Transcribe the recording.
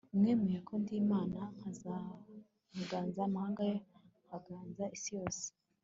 mwemere ko ndi imana, nkaganza amahanga, nkaganza isi yose